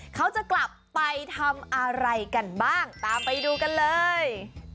เขาจะกลับไปทำอะไรกันบ้างตามไปดูกันเลย